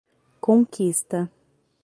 Conquista